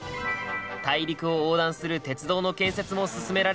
大陸を横断する鉄道の建設も進められていたんだ。